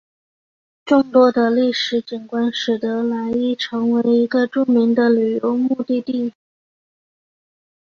众多的历史景观使得莱伊成为一个著名的旅游目的地。